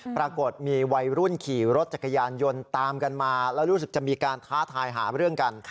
ปรากฏมีวัยรุ่นขี่รถจักรยานยนต์ตามกันมาแล้วรู้สึกจะมีการท้าทายหาเรื่องกัน